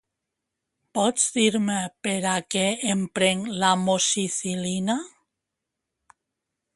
Pots dir-me per a què em prenc l'Amoxicil·lina?